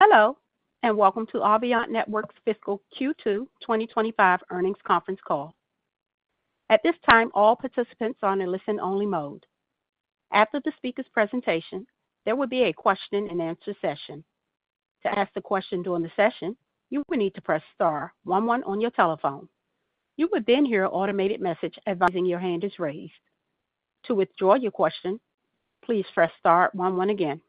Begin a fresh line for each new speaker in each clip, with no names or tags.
Hello, and welcome to Aviat Networks' Fiscal Q2 2025 Earnings Conference Call. At this time, all participants are in a listen-only mode. After the speaker's presentation, there will be a question-and-answer session. To ask a question during the session, you will need to press star one one on your telephone. You will then hear an automated message advising your hand is raised. To withdraw your question, please press star one one again.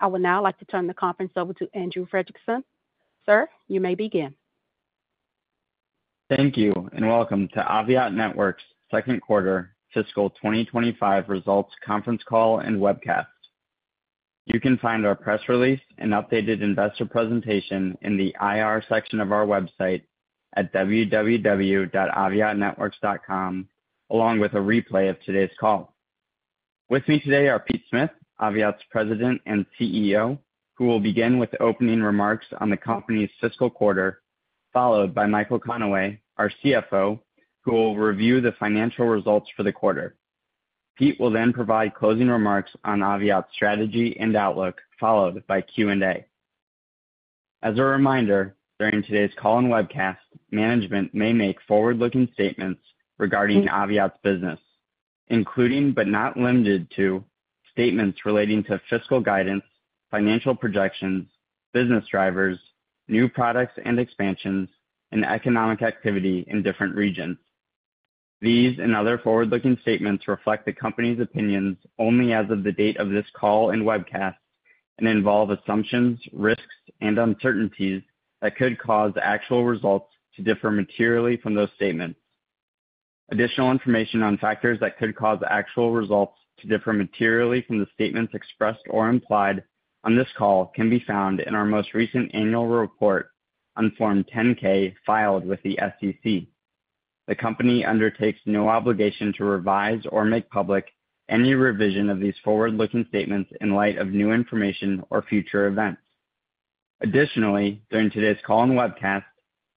I would now like to turn the conference over to Andrew Fredrickson. Sir, you may begin.
Thank you, and welcome to Aviat Networks' Second Quarter Fiscal 2025 Results Conference Call and Webcast. You can find our press release and updated investor presentation in the IR section of our website at www.aviatnetworks.com, along with a replay of today's call. With me today are Pete Smith, Aviat's President and CEO, who will begin with opening remarks on the company's fiscal quarter, followed by Michael Connaway, our CFO, who will review the financial results for the quarter. Pete will then provide closing remarks on Aviat's strategy and outlook, followed by Q&A. As a reminder, during today's call and webcast, management may make forward-looking statements regarding Aviat's business, including but not limited to statements relating to fiscal guidance, financial projections, business drivers, new products and expansions, and economic activity in different regions. These and other forward-looking statements reflect the company's opinions only as of the date of this call and webcast and involve assumptions, risks, and uncertainties that could cause actual results to differ materially from those statements. Additional information on factors that could cause actual results to differ materially from the statements expressed or implied on this call can be found in our most recent annual report on Form 10-K filed with the SEC. The company undertakes no obligation to revise or make public any revision of these forward-looking statements in light of new information or future events. Additionally, during today's call and webcast,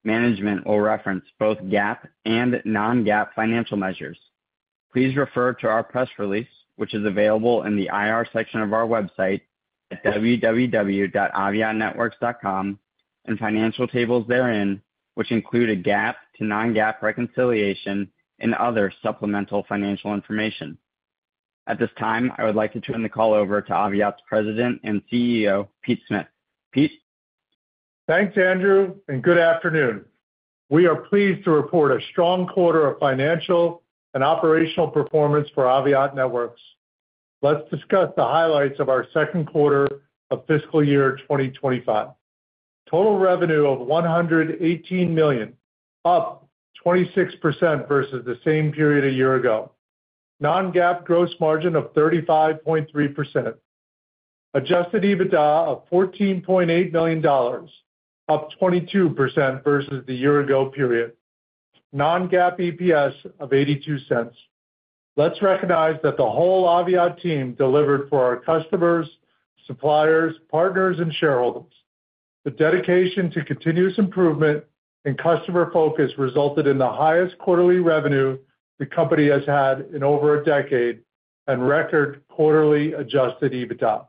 management will reference both GAAP and non-GAAP financial measures. Please refer to our press release, which is available in the IR section of our website at www.aviatnetworks.com, and financial tables therein, which include a GAAP to non-GAAP reconciliation and other supplemental financial information. At this time, I would like to turn the call over to Aviat's President and CEO, Pete Smith. Pete.
Thanks, Andrew, and good afternoon. We are pleased to report a strong quarter of financial and operational performance for Aviat Networks. Let's discuss the highlights of our second quarter of fiscal year 2025. Total revenue of $118 million, up 26% versus the same period a year ago. Non-GAAP gross margin of 35.3%. Adjusted EBITDA of $14.8 million, up 22% versus the year-ago period. Non-GAAP EPS of $0.82. Let's recognize that the whole Aviat team delivered for our customers, suppliers, partners, and shareholders. The dedication to continuous improvement and customer focus resulted in the highest quarterly revenue the company has had in over a decade and record quarterly adjusted EBITDA.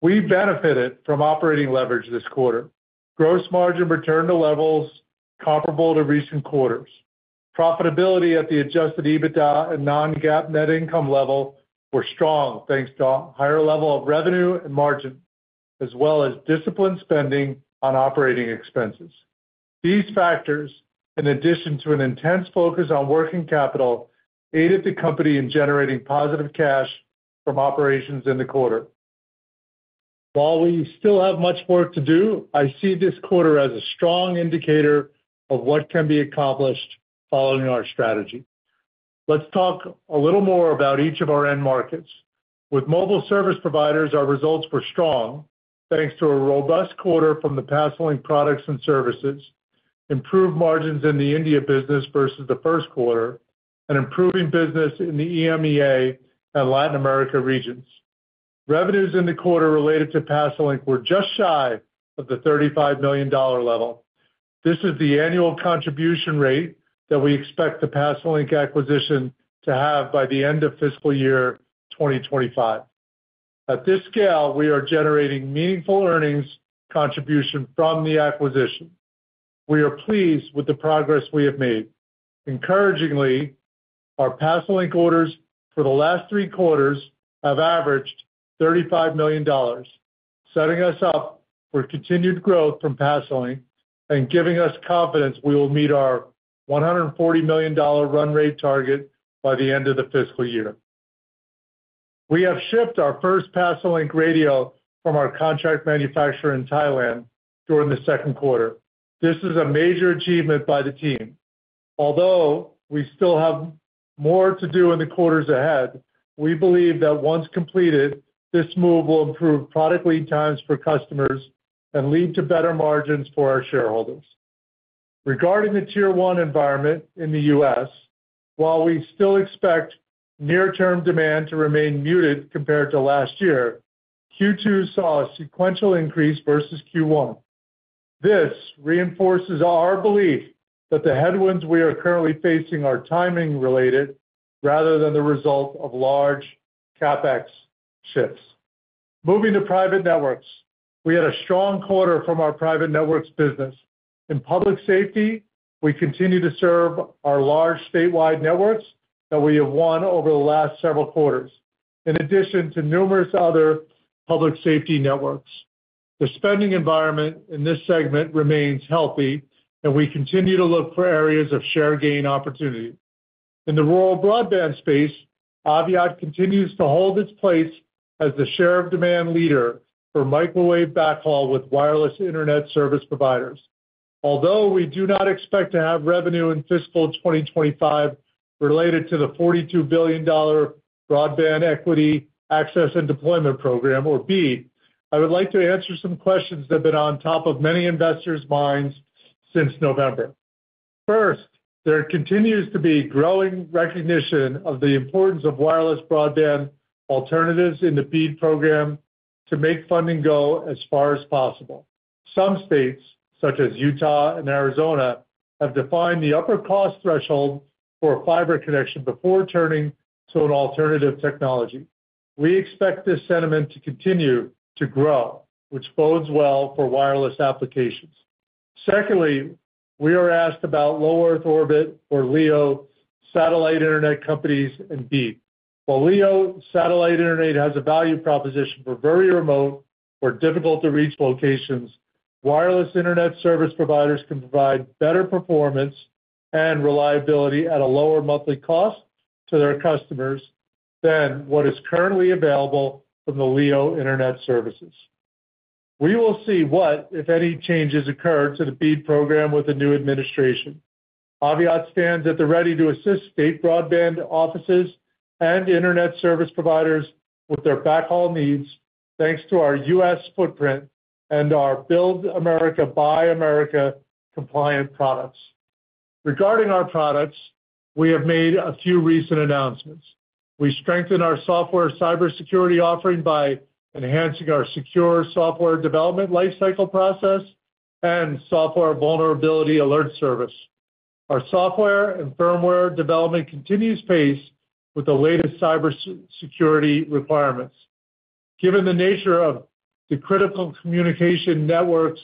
We benefited from operating leverage this quarter. Gross margin returned to levels comparable to recent quarters. Profitability at the Adjusted EBITDA and non-GAAP net income level were strong thanks to a higher level of revenue and margin, as well as disciplined spending on operating expenses. These factors, in addition to an intense focus on working capital, aided the company in generating positive cash from operations in the quarter. While we still have much work to do, I see this quarter as a strong indicator of what can be accomplished following our strategy. Let's talk a little more about each of our end markets. With mobile service providers, our results were strong thanks to a robust quarter from the PASOLINK products and services, improved margins in the India business versus the first quarter, and improving business in the EMEA and Latin America regions. Revenues in the quarter related to PASOLINK were just shy of the $35 million level. This is the annual contribution rate that we expect the PASOLINK acquisition to have by the end of fiscal year 2025. At this scale, we are generating meaningful earnings contribution from the acquisition. We are pleased with the progress we have made. Encouragingly, our PASOLINK orders for the last three quarters have averaged $35 million, setting us up for continued growth from PASOLINK and giving us confidence we will meet our $140 million run rate target by the end of the fiscal year. We have shipped our first PASOLINK radio from our contract manufacturer in Thailand during the second quarter. This is a major achievement by the team. Although we still have more to do in the quarters ahead, we believe that once completed, this move will improve product lead times for customers and lead to better margins for our shareholders. Regarding the Tier 1 environment in the U.S., while we still expect near-term demand to remain muted compared to last year, Q2 saw a sequential increase versus Q1. This reinforces our belief that the headwinds we are currently facing are timing-related rather than the result of large CapEx shifts. Moving to private networks, we had a strong quarter from our private networks business. In public safety, we continue to serve our large statewide networks that we have won over the last several quarters, in addition to numerous other public safety networks. The spending environment in this segment remains healthy, and we continue to look for areas of share gain opportunity. In the rural broadband space, Aviat continues to hold its place as the share of demand leader for microwave backhaul with wireless internet service providers. Although we do not expect to have revenue in fiscal 2025 related to the $42 billion Broadband Equity, Access, and Deployment program, or BEAD, I would like to answer some questions that have been on top of many investors' minds since November. First, there continues to be growing recognition of the importance of wireless broadband alternatives in the BEAD program to make funding go as far as possible. Some states, such as Utah and Arizona, have defined the upper cost threshold for fiber connection before turning to an alternative technology. We expect this sentiment to continue to grow, which bodes well for wireless applications. Secondly, we are asked about Low Earth Orbit, or LEO, satellite internet companies and BEAD. While LEO satellite internet has a value proposition for very remote or difficult-to-reach locations, wireless internet service providers can provide better performance and reliability at a lower monthly cost to their customers than what is currently available from the LEO internet services. We will see what, if any, changes occur to the BEAD program with the new administration. Aviat stands at the ready to assist state broadband offices and internet service providers with their backhaul needs thanks to our U.S. footprint and our Build America, Buy America compliant products. Regarding our products, we have made a few recent announcements. We strengthened our software cybersecurity offering by enhancing our secure software development lifecycle process and software vulnerability alert service. Our software and firmware development continues pace with the latest cybersecurity requirements. Given the nature of the critical communication networks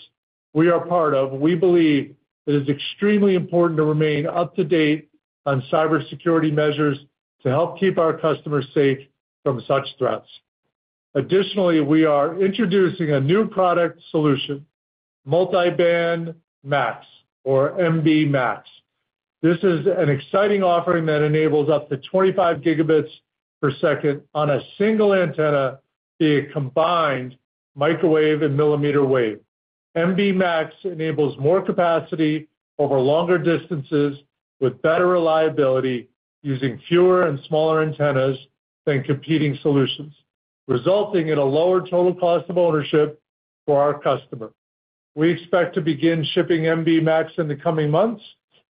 we are part of, we believe it is extremely important to remain up-to-date on cybersecurity measures to help keep our customers safe from such threats. Additionally, we are introducing a new product solution, Multiband Max, or MB Max. This is an exciting offering that enables up to 25 Gb per second on a single antenna, be it combined microwave and millimeter wave. MB Max enables more capacity over longer distances with better reliability using fewer and smaller antennas than competing solutions, resulting in a lower total cost of ownership for our customer. We expect to begin shipping MB Max in the coming months,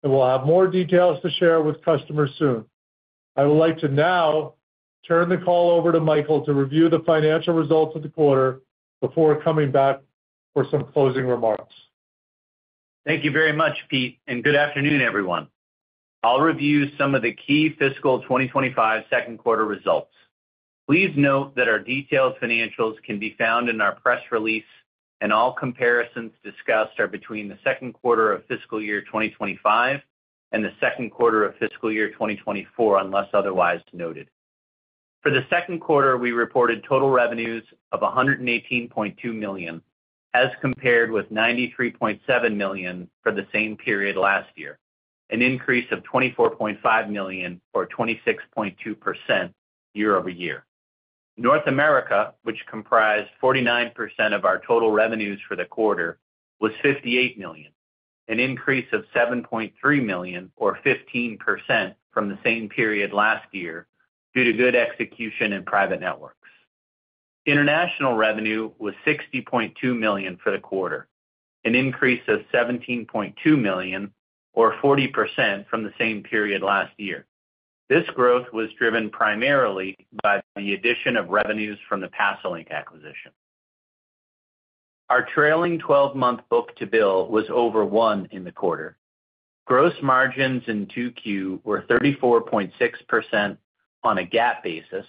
and we'll have more details to share with customers soon. I would like to now turn the call over to Michael to review the financial results of the quarter before coming back for some closing remarks.
Thank you very much, Pete, and good afternoon, everyone. I'll review some of the key fiscal 2025 second quarter results. Please note that our detailed financials can be found in our press release, and all comparisons discussed are between the second quarter of fiscal year 2025 and the second quarter of fiscal year 2024, unless otherwise noted. For the second quarter, we reported total revenues of $118.2 million as compared with $93.7 million for the same period last year, an increase of $24.5 million, or 26.2% year-over-year. North America, which comprised 49% of our total revenues for the quarter, was $58 million, an increase of $7.3 million, or 15% from the same period last year due to good execution in private networks. International revenue was $60.2 million for the quarter, an increase of $17.2 million, or 40% from the same period last year. This growth was driven primarily by the addition of revenues from the PASOLINK acquisition. Our trailing 12-month book-to-bill was over one in the quarter. Gross margins in Q2 were 34.6% on a GAAP basis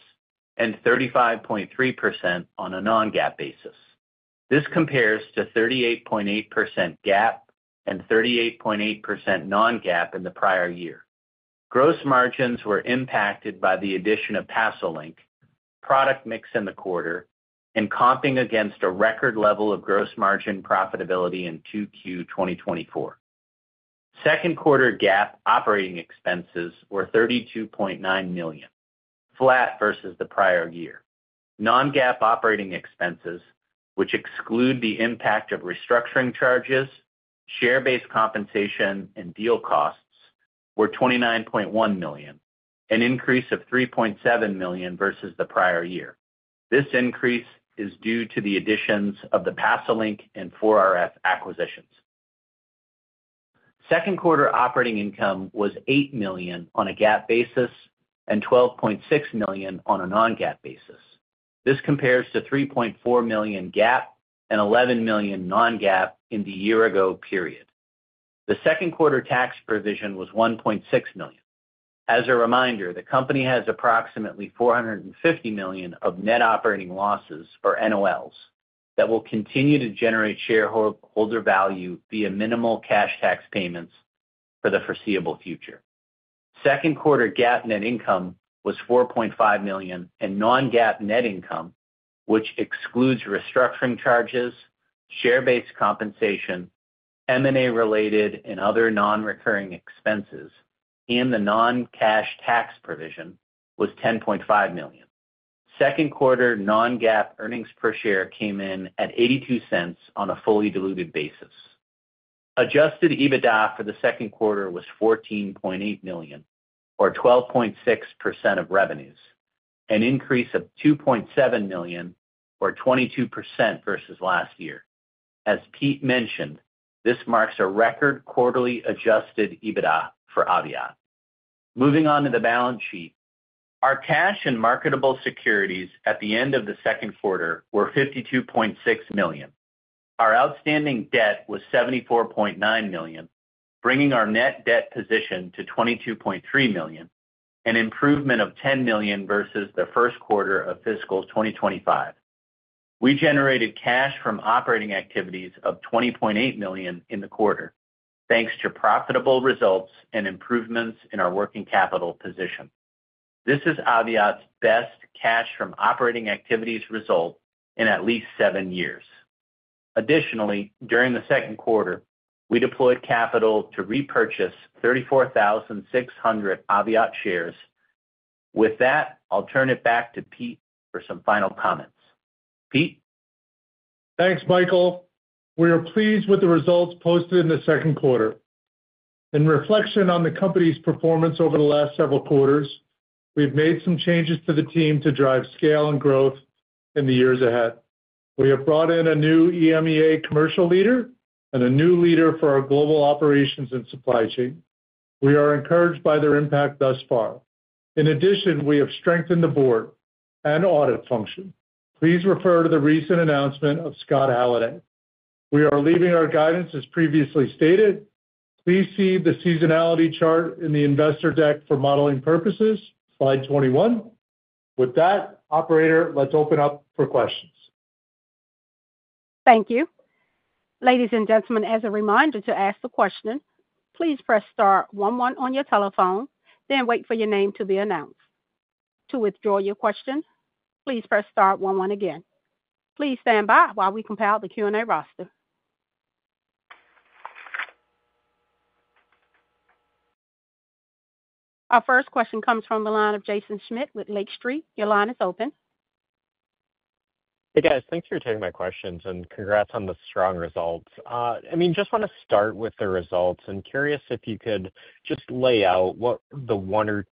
and 35.3% on a non-GAAP basis. This compares to 38.8% GAAP and 38.8% non-GAAP in the prior year. Gross margins were impacted by the addition of PASOLINK, product mix in the quarter, and comping against a record level of gross margin profitability in Q2 2024. Second quarter GAAP operating expenses were $32.9 million, flat versus the prior year. Non-GAAP operating expenses, which exclude the impact of restructuring charges, share-based compensation, and deal costs, were $29.1 million, an increase of $3.7 million versus the prior year. This increase is due to the additions of the PASOLINK and 4RF acquisitions. Second quarter operating income was $8 million on a GAAP basis and $12.6 million on a non-GAAP basis. This compares to $3.4 million GAAP and $11 million non-GAAP in the year-ago period. The second quarter tax provision was $1.6 million. As a reminder, the company has approximately $450 million of net operating losses, or NOLs, that will continue to generate shareholder value via minimal cash tax payments for the foreseeable future. Second quarter GAAP net income was $4.5 million, and non-GAAP net income, which excludes restructuring charges, share-based compensation, M&A-related and other non-recurring expenses, and the non-cash tax provision, was $10.5 million. Second quarter non-GAAP earnings per share came in at $0.82 on a fully diluted basis. Adjusted EBITDA for the second quarter was $14.8 million, or 12.6% of revenues, an increase of $2.7 million, or 22% versus last year. As Pete mentioned, this marks a record quarterly adjusted EBITDA for Aviat. Moving on to the balance sheet, our cash and marketable securities at the end of the second quarter were $52.6 million. Our outstanding debt was $74.9 million, bringing our net debt position to $22.3 million, an improvement of $10 million versus the first quarter of fiscal 2025. We generated cash from operating activities of $20.8 million in the quarter thanks to profitable results and improvements in our working capital position. This is Aviat's best cash from operating activities result in at least seven years. Additionally, during the second quarter, we deployed capital to repurchase 34,600 Aviat shares. With that, I'll turn it back to Pete for some final comments. Pete?
Thanks, Michael. We are pleased with the results posted in the second quarter. In reflection on the company's performance over the last several quarters, we've made some changes to the team to drive scale and growth in the years ahead. We have brought in a new EMEA commercial leader and a new leader for our global operations and supply chain. We are encouraged by their impact thus far. In addition, we have strengthened the board and audit function. Please refer to the recent announcement of Scott Halliday. We are leaving our guidance as previously stated. Please see the seasonality chart in the investor deck for modeling purposes, slide 21. With that, operator, let's open up for questions.
Thank you. Ladies and gentlemen, as a reminder to ask the question, please press star 11 on your telephone, then wait for your name to be announced. To withdraw your question, please press star one one again. Please stand by while we compile the Q&A roster. Our first question comes from the line of Jason Schmidt with Lake Street. Your line is open.
Hey, guys. Thanks for taking my questions, and congrats on the strong results. I mean, just want to start with the results. I'm curious if you could just lay out what the one or two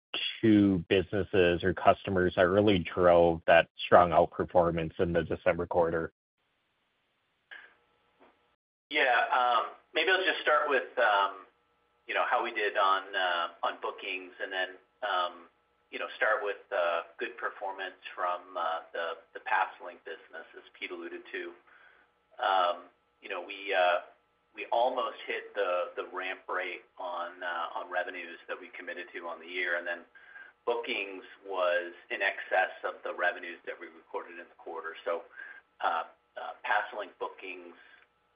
businesses or customers that really drove that strong outperformance in the December quarter?
Yeah. Maybe I'll just start with how we did on bookings and then start with good performance from the PASOLINK business, as Pete alluded to. We almost hit the ramp rate on revenues that we committed to on the year, and then bookings was in excess of the revenues that we recorded in the quarter. So PASOLINK bookings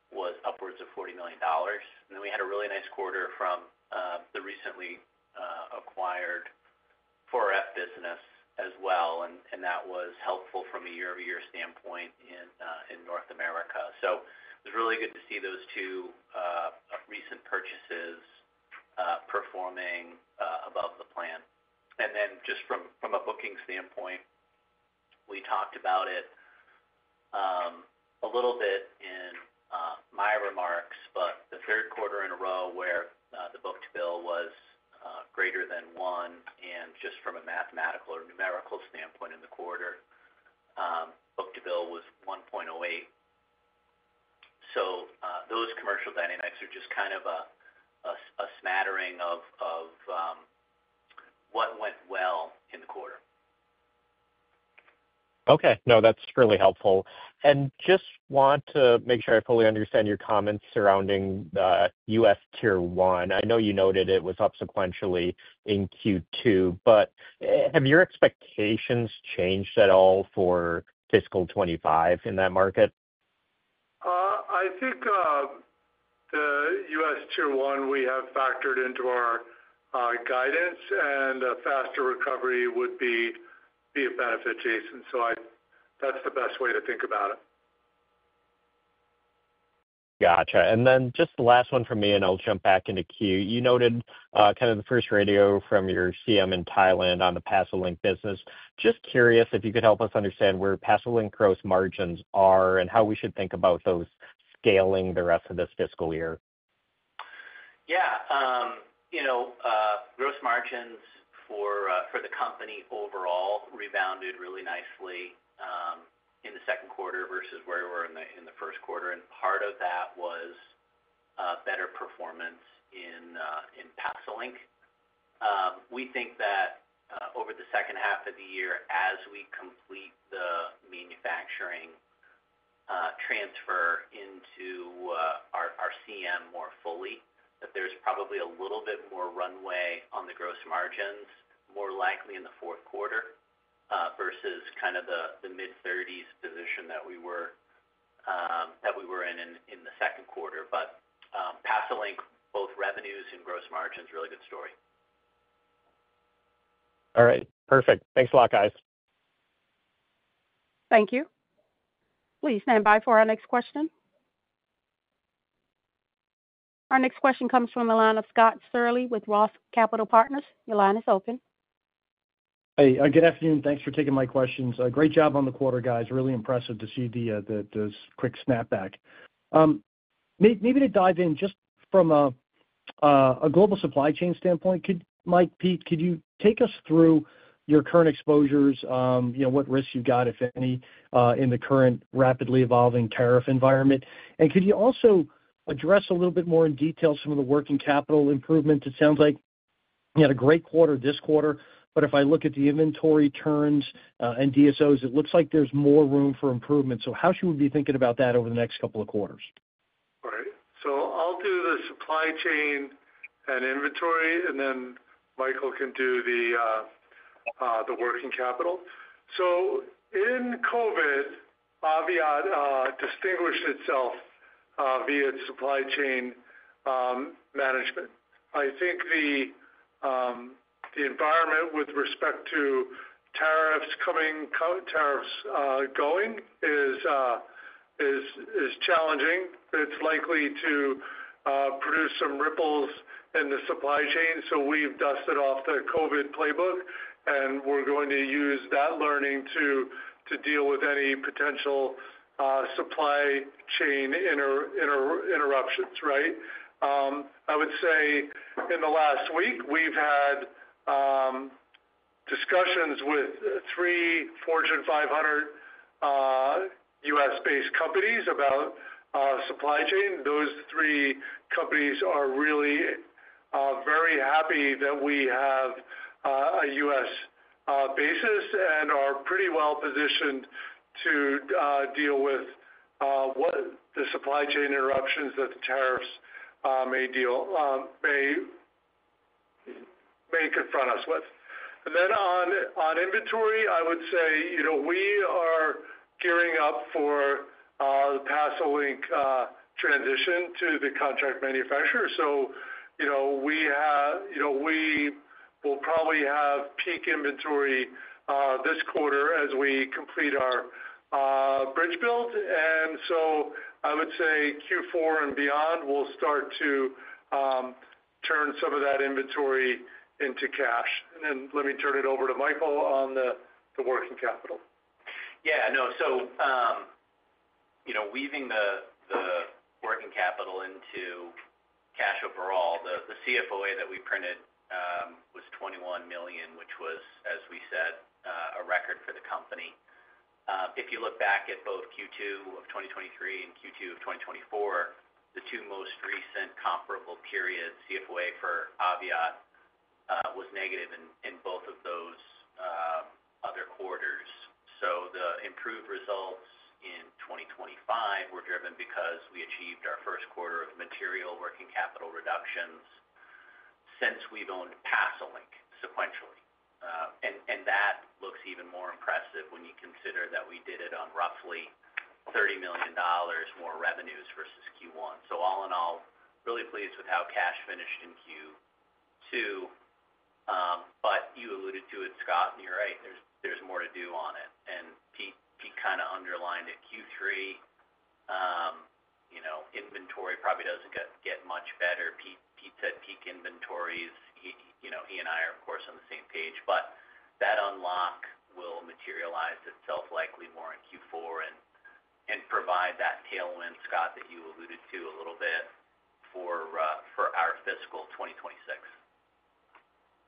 was upwards of $40 million. And then we had a really nice quarter from the recently acquired 4RF business as well, and that was helpful from a year-over-year standpoint in North America. So it was really good to see those two recent purchases performing above the plan. Then just from a booking standpoint, we talked about it a little bit in my remarks, but the third quarter in a row where the book-to-bill was greater than one, and just from a mathematical or numerical standpoint in the quarter, book-to-bill was 1.08. So those commercial dynamics are just kind of a smattering of what went well in the quarter.
Okay. No, that's really helpful. And just want to make sure I fully understand your comments surrounding the U.S. Tier 1. I know you noted it was up sequentially in Q2, but have your expectations changed at all for fiscal 2025 in that market?
I think the U.S. tier one we have factored into our guidance, and a faster recovery would be of benefit, Jason. So that's the best way to think about it.
Gotcha. And then just the last one for me, and I'll jump back into Q. You noted kind of the first radio from your CM in Thailand on the PASOLINK business. Just curious if you could help us understand where PASOLINK gross margins are and how we should think about those scaling the rest of this fiscal year.
Yeah. Gross margins for the company overall rebounded really nicely in the second quarter versus where we were in the first quarter. And part of that was better performance in PASOLINK. We think that over the second half of the year, as we complete the manufacturing transfer into our CM more fully, that there's probably a little bit more runway on the gross margins, more likely in the fourth quarter versus kind of the mid-30s position that we were in in the second quarter. But PASOLINK, both revenues and gross margins, really good story.
All right. Perfect. Thanks a lot, guys.
Thank you. Please stand by for our next question. Our next question comes from the line of Scott Searle with Roth Capital Partners. Your line is open.
Hey. Good afternoon. Thanks for taking my questions. Great job on the quarter, guys. Really impressive to see this quick snapback. Maybe to dive in, just from a global supply chain standpoint, Mike, Pete, could you take us through your current exposures, what risks you got, if any, in the current rapidly evolving tariff environment? And could you also address a little bit more in detail some of the working capital improvements? It sounds like you had a great quarter this quarter, but if I look at the inventory turns and DSOs, it looks like there's more room for improvement. So how should we be thinking about that over the next couple of quarters?
All right. So I'll do the supply chain and inventory, and then Michael can do the working capital. So in COVID, Aviat distinguished itself via supply chain management. I think the environment with respect to tariffs going is challenging. It's likely to produce some ripples in the supply chain. So we've dusted off the COVID playbook, and we're going to use that learning to deal with any potential supply chain interruptions, right? I would say in the last week, we've had discussions with three Fortune 500 U.S.-based companies about supply chain. Those three companies are really very happy that we have a U.S. base and are pretty well positioned to deal with the supply chain interruptions that the tariffs may confront us with. And then on inventory, I would say we are gearing up for the PASOLINK transition to the contract manufacturer. So we will probably have peak inventory this quarter as we complete our bridge build. And so I would say Q4 and beyond, we'll start to turn some of that inventory into cash. And then let me turn it over to Michael on the working capital.
Yeah. No, so weaving the working capital into cash overall, the CFOA that we printed was $21 million, which was, as we said, a record for the company. If you look back at both Q2 of 2023 and Q2 of 2024, the two most recent comparable period CFOA for Aviat was negative in both of those other quarters. So the improved results in 2025 were driven because we achieved our first quarter of material working capital reductions since we've owned PASOLINK sequentially, and that looks even more impressive when you consider that we did it on roughly $30 million more revenues versus Q1, so all in all, really pleased with how cash finished in Q2, but you alluded to it, Scott, and you're right, there's more to do on it, and Pete kind of underlined it. Q3 inventory probably doesn't get much better. Pete said peak inventories. He and I are, of course, on the same page, but that unlock will materialize itself likely more in Q4 and provide that tailwind, Scott, that you alluded to a little bit for our fiscal 2026.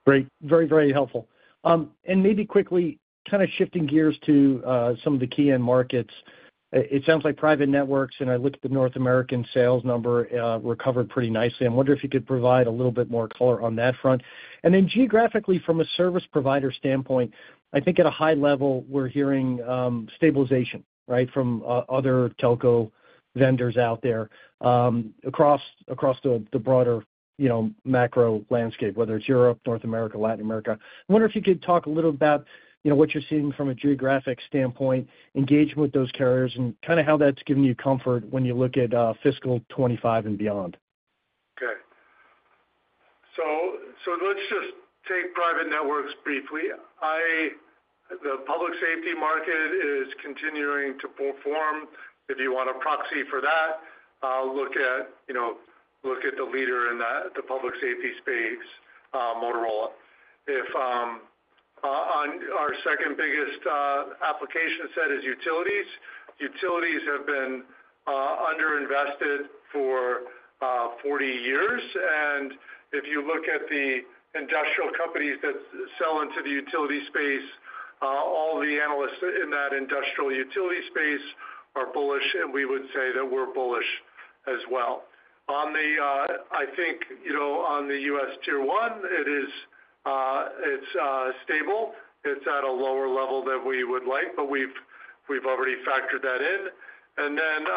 Great. Very, very helpful. And maybe quickly, kind of shifting gears to some of the key end markets. It sounds like private networks, and I looked at the North American sales number, recovered pretty nicely. I wonder if you could provide a little bit more color on that front. And then geographically, from a service provider standpoint, I think at a high level, we're hearing stabilization, right, from other telco vendors out there across the broader macro landscape, whether it's Europe, North America, Latin America. I wonder if you could talk a little about what you're seeing from a geographic standpoint, engagement with those carriers, and kind of how that's given you comfort when you look at fiscal 2025 and beyond.
Okay. So let's just take private networks briefly. The public safety market is continuing to perform. If you want a proxy for that, look at the leader in the public safety space, Motorola. Our second biggest application set is utilities. Utilities have been underinvested for 40 years. And if you look at the industrial companies that sell into the utility space, all the analysts in that industrial utility space are bullish, and we would say that we're bullish as well. I think on the U.S. Tier 1, it's stable. It's at a lower level than we would like, but we've already factored that in. And then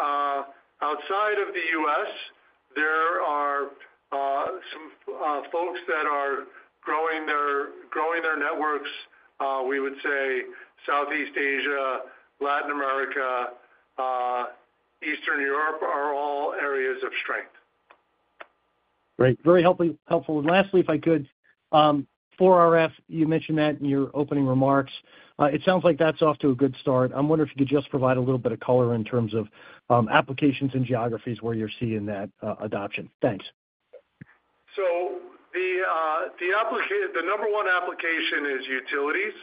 outside of the U.S., there are some folks that are growing their networks. We would say Southeast Asia, Latin America, Eastern Europe are all areas of strength.
Great. Very helpful. Lastly, if I could, 4RF, you mentioned that in your opening remarks. It sounds like that's off to a good start. I wonder if you could just provide a little bit of color in terms of applications and geographies where you're seeing that adoption. Thanks.
The number one application is utilities.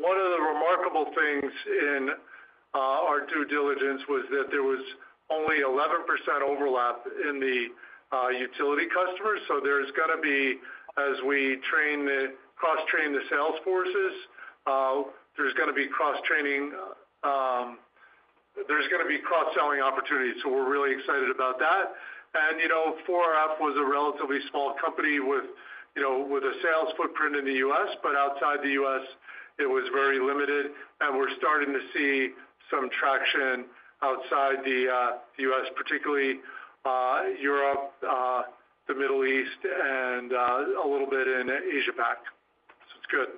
One of the remarkable things in our due diligence was that there was only 11% overlap in the utility customers. There's going to be, as we cross-train the sales forces, cross-training and cross-selling opportunities. We're really excited about that. 4RF was a relatively small company with a sales footprint in the U.S., but outside the U.S., it was very limited. We're starting to see some traction outside the U.S., particularly Europe, the Middle East, and a little bit in Asia-Pac. It's good.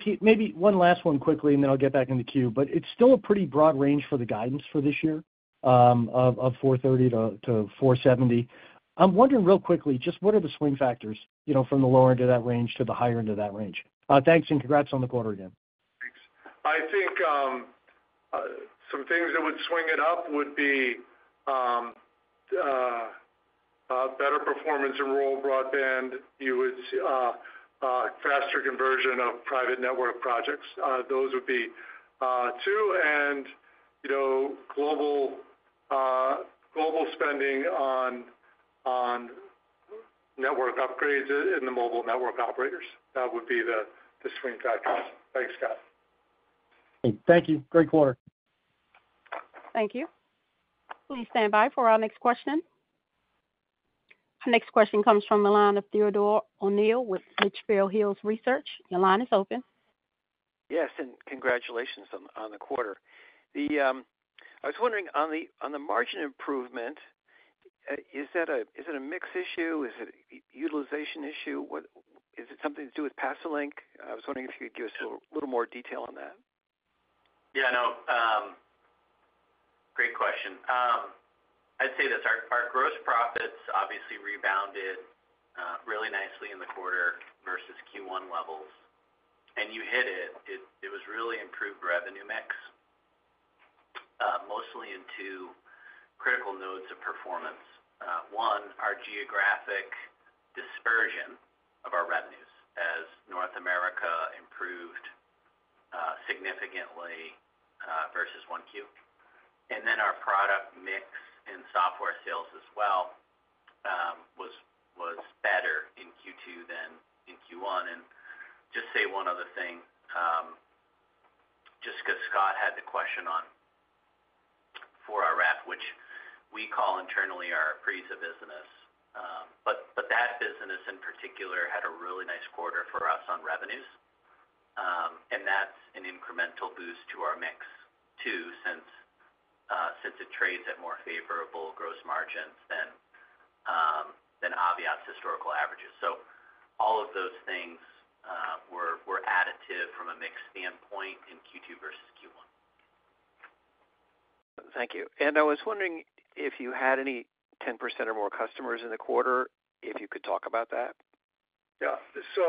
Pete, maybe one last one quickly, and then I'll get back into Q, but it's still a pretty broad range for the guidance for this year of 430-470. I'm wondering real quickly, just what are the swing factors from the lower end of that range to the higher end of that range? Thanks, and congrats on the quarter again.
Thanks. I think some things that would swing it up would be better performance in rural broadband. You would see faster conversion of private network projects. Those would be two. And global spending on network upgrades in the mobile network operators. That would be the swing factors. Thanks, Scott.
Thank you. Great quarter.
Thank you. Please stand by for our next question. Our next question comes from the line of Theodore O'Neill with Litchfield Hills Research. Your line is open.
Yes, and congratulations on the quarter. I was wondering, on the margin improvement, is that a mixed issue? Is it a utilization issue? Is it something to do with PASOLINK? I was wondering if you could give us a little more detail on that.
Yeah. No, great question. I'd say this. Our gross profits obviously rebounded really nicely in the quarter versus Q1 levels. And you hit it. It was really improved revenue mix, mostly into critical nodes of performance. One, our geographic dispersion of our revenues in North America improved significantly versus Q1. And then our product mix in software sales as well was better in Q2 than in Q1. And just say one other thing, just because Scott had the question on 4RF, which we call internally our Aprisa business, but that business in particular had a really nice quarter for us on revenues. And that's an incremental boost to our mix too since it trades at more favorable gross margins than Aviat's historical averages. So all of those things were additive from a mix standpoint in Q2 versus Q1.
Thank you. And I was wondering if you had any 10% or more customers in the quarter, if you could talk about that.
Yeah. So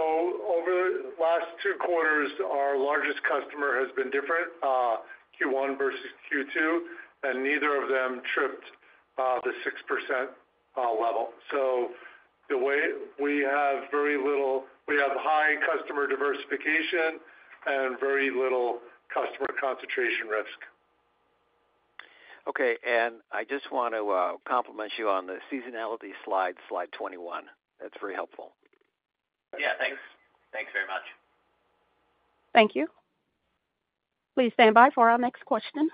over the last two quarters, our largest customer has been different Q1 versus Q2, and neither of them tripped the 6% level. So the way we have very little, we have high customer diversification and very little customer concentration risk.
Okay, and I just want to compliment you on the seasonality slide, slide 21. That's very helpful.
Yeah. Thanks. Thanks very much.
Thank you. Please stand by for our next question.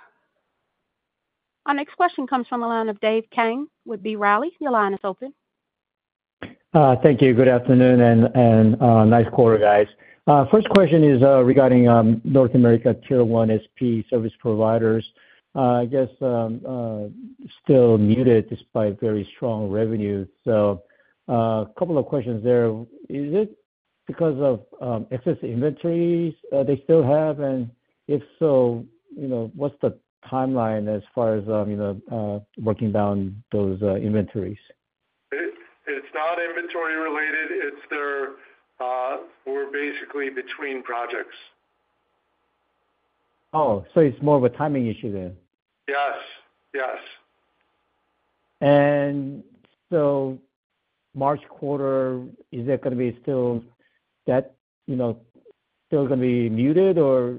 Our next question comes from the line of Dave Kang at B. Riley Securities. Your line is open.
Thank you. Good afternoon and nice quarter, guys. First question is regarding North America Tier 1 SP service providers. I guess still muted despite very strong revenue. So a couple of questions there. Is it because of excess inventories they still have? And if so, what's the timeline as far as working down those inventories?
It's not inventory related. We're basically between projects.
Oh, so it's more of a timing issue there.
Yes. Yes.
March quarter, is that still going to be muted, or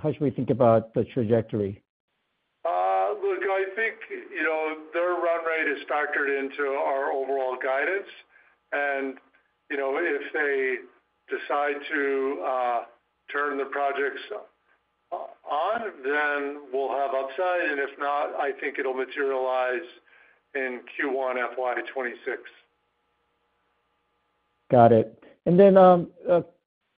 how should we think about the trajectory?
Look, I think their run rate is factored into our overall guidance, and if they decide to turn the projects on, then we'll have upside, and if not, I think it'll materialize in Q1 FY 2026.
Got it. And then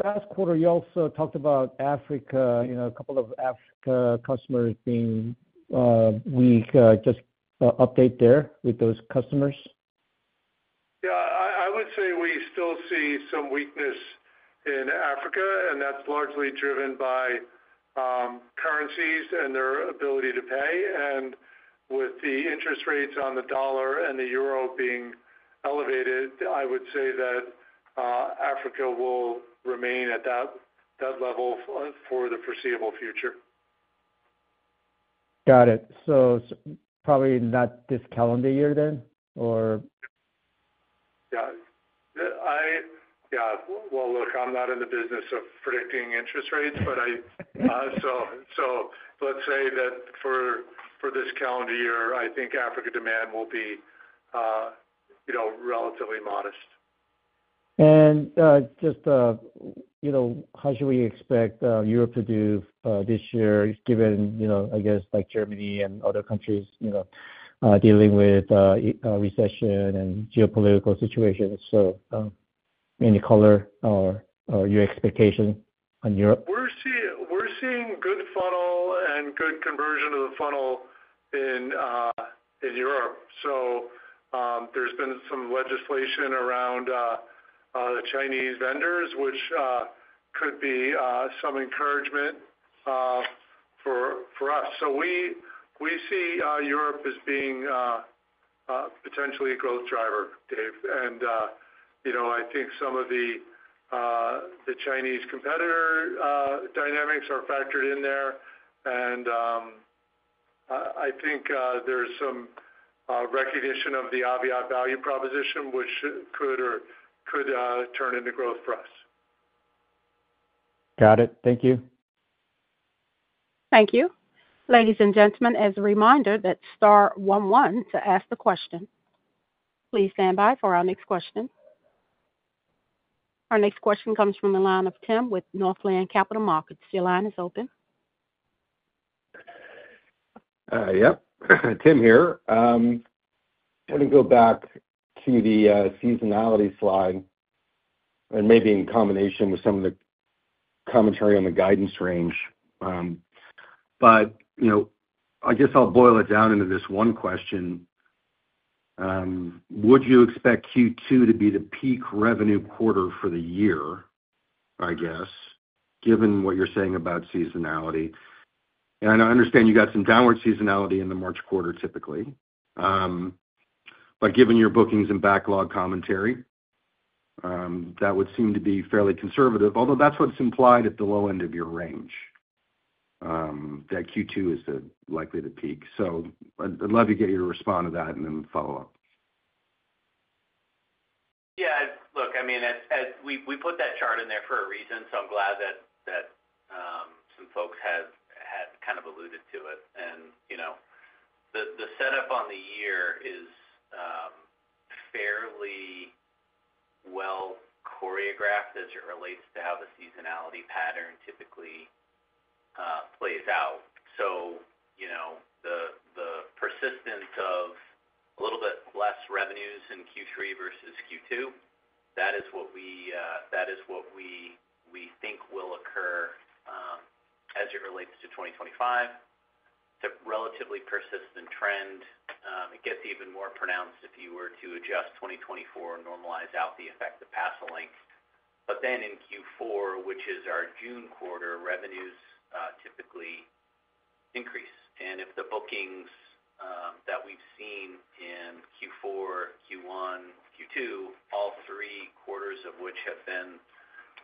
last quarter, you also talked about Africa, a couple of Africa customers being weak. Just update there with those customers?
Yeah. I would say we still see some weakness in Africa, and that's largely driven by currencies and their ability to pay. And with the interest rates on the dollar and the euro being elevated, I would say that Africa will remain at that level for the foreseeable future.
Got it. So probably not this calendar year then, or?
Yeah. Well, look, I'm not in the business of predicting interest rates, but so let's say that for this calendar year, I think Africa demand will be relatively modest.
Just how should we expect Europe to do this year, given, I guess, like Germany and other countries dealing with recession and geopolitical situations? Any color or your expectation on Europe?
We're seeing good funnel and good conversion of the funnel in Europe. So there's been some legislation around Chinese vendors, which could be some encouragement for us. So we see Europe as being potentially a growth driver, Dave. And I think some of the Chinese competitor dynamics are factored in there. And I think there's some recognition of the Aviat value proposition, which could turn into growth for us.
Got it. Thank you.
Thank you. Ladies and gentlemen, as a reminder, that's star one one to ask the question. Please stand by for our next question. Our next question comes from Tim Savageaux with Northland Capital Markets. Your line is open.
Yep. Tim here. I want to go back to the seasonality slide and maybe in combination with some of the commentary on the guidance range. But I guess I'll boil it down into this one question. Would you expect Q2 to be the peak revenue quarter for the year, I guess, given what you're saying about seasonality? And I understand you got some downward seasonality in the March quarter typically. But given your bookings and backlog commentary, that would seem to be fairly conservative, although that's what's implied at the low end of your range, that Q2 is likely the peak. So I'd love to get you to respond to that and then follow up.
Yeah. Look, I mean, we put that chart in there for a reason. So I'm glad that some folks had kind of alluded to it, and the setup on the year is fairly well choreographed as it relates to how the seasonality pattern typically plays out. So the persistence of a little bit less revenues in Q3 versus Q2, that is what we think will occur as it relates to 2025. It's a relatively persistent trend. It gets even more pronounced if you were to adjust 2024, normalize out the effect of PASOLINK. But then in Q4, which is our June quarter, revenues typically increase. If the bookings that we've seen in Q4, Q1, Q2, all three quarters of which have been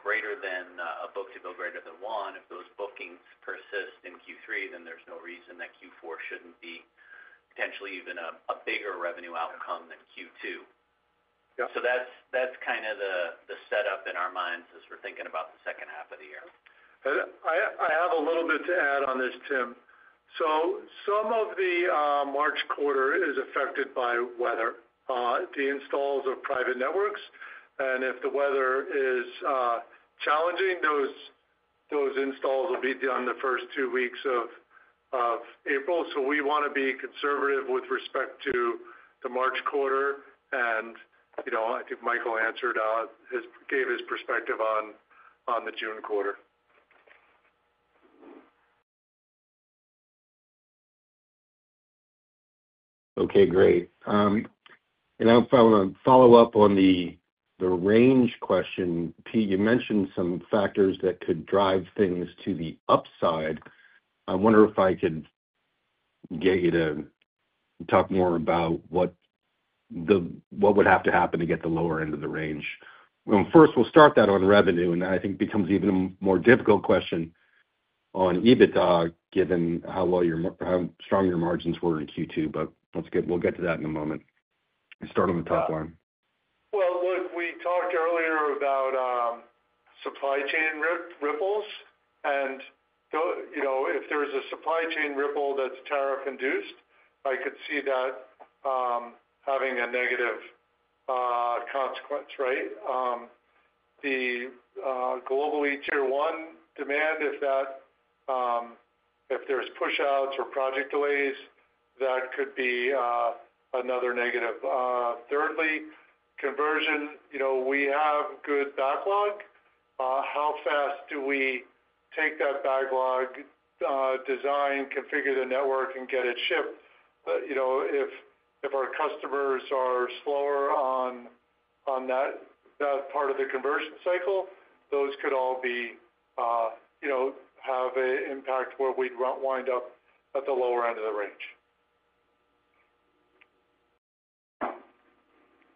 greater than a book-to-bill greater than one, if those bookings persist in Q3, then there's no reason that Q4 shouldn't be potentially even a bigger revenue outcome than Q2. That's kind of the setup in our minds as we're thinking about the second half of the year.
I have a little bit to add on this, Tim. So some of the March quarter is affected by weather, the installs of private networks. And if the weather is challenging, those installs will be done the first two weeks of April. So we want to be conservative with respect to the March quarter. And I think Michael gave his perspective on the June quarter.
Okay. Great. And I'll follow up on the range question. Pete, you mentioned some factors that could drive things to the upside. I wonder if I could get you to talk more about what would have to happen to get the lower end of the range. First, we'll start that on revenue, and then I think it becomes an even more difficult question on EBITDA given how strong your margins were in Q2. But that's good. We'll get to that in a moment. Start on the top line.
Well, look, we talked earlier about supply chain ripples. And if there's a supply chain ripple that's tariff-induced, I could see that having a negative consequence, right? The globally tier one demand, if there's push-outs or project delays, that could be another negative. Thirdly, conversion. We have good backlog. How fast do we take that backlog, design, configure the network, and get it shipped? If our customers are slower on that part of the conversion cycle, those could all have an impact where we'd wind up at the lower end of the range.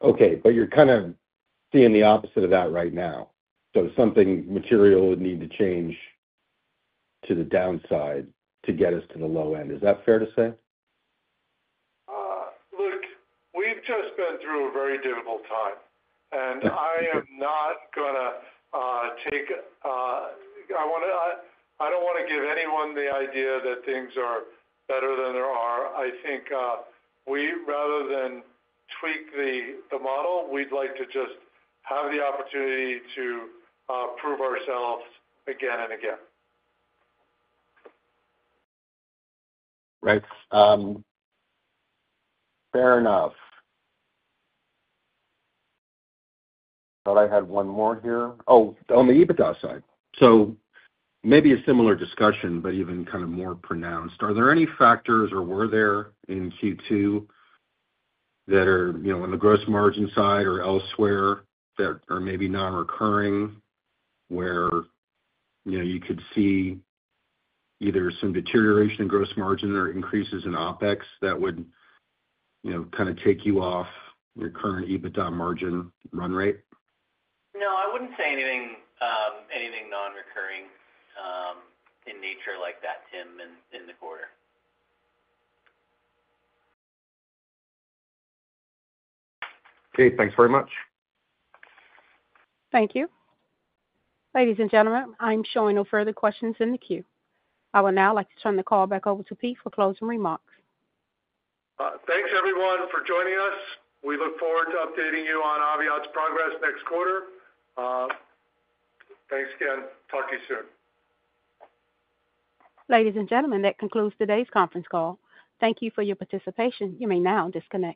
Okay. But you're kind of seeing the opposite of that right now. So something material would need to change to the downside to get us to the low end. Is that fair to say?
Look, we've just been through a very difficult time. And I am not going to take. I don't want to give anyone the idea that things are better than they are. I think rather than tweak the model, we'd like to just have the opportunity to prove ourselves again and again.
Right. Fair enough. Thought I had one more here. Oh, on the EBITDA side. So maybe a similar discussion, but even kind of more pronounced. Are there any factors or were there in Q2 that are on the gross margin side or elsewhere that are maybe non-recurring where you could see either some deterioration in gross margin or increases in OpEx that would kind of take you off your current EBITDA margin run rate?
No, I wouldn't say anything non-recurring in nature like that, Tim, in the quarter.
Okay. Thanks very much.
Thank you. Ladies and gentlemen, I'm showing no further questions in the queue. I would now like to turn the call back over to Pete for closing remarks.
Thanks, everyone, for joining us. We look forward to updating you on Aviat's progress next quarter. Thanks again. Talk to you soon.
Ladies and gentlemen, that concludes today's conference call. Thank you for your participation. You may now disconnect.